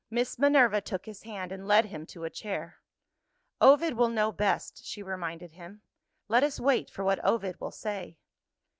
Miss Minerva took his hand, and led him to a chair. "Ovid will know best," she reminded him; "let us wait for what Ovid will say."